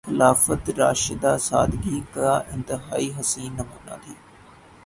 خلافت راشدہ سادگی کا انتہائی حسین نمونہ تھی۔